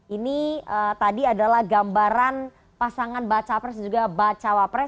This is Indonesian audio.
ini tadi adalah gambaran pasangan bakal capres dan juga bakal cawapres